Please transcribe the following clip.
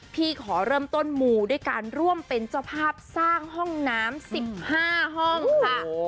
พี่ขอเริ่มต้นมูด้วยการร่วมเป็นเจ้าภาพสร้างห้องน้ำ๑๕ห้องค่ะ